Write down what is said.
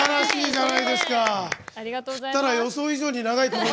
振ったら予想以上に長い。